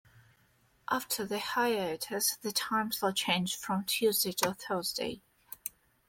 After the hiatus, the time slot changed from Tuesday to Thursday.